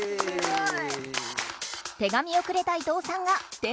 ・すごい！